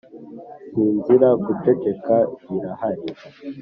sinzira! guceceka birahari,